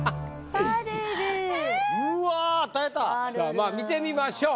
さあまあ見てみましょう。